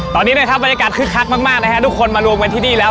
ตอนนี้นะครับบรรยากาศคึกคักมากนะฮะทุกคนมารวมกันที่นี่แล้ว